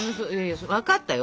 分かったよ